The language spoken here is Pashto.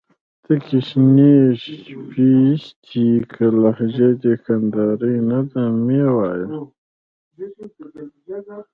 تکي شنې شپيشتي. که لهجه دي کندهارۍ نه ده مې وايه